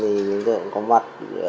thì chúng tôi cũng có mặt